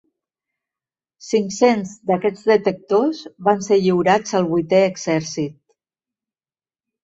Cinc-cents d'aquests detectors van ser lliurats al Vuitè Exèrcit.